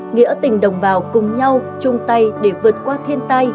nghĩa tình đồng bào cùng nhau chung tay để vượt qua thiên tai